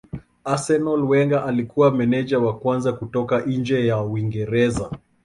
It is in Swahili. Arsenal Wenger alikuwa meneja wa kwanza kutoka nje ya Uingereza.